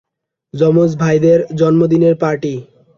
যমজ ভাইদের জন্মদিনের পার্টি।